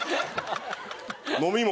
飲み物